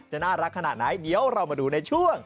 น่ารักขนาดไหนเดี๋ยวเรามาดูในช่วง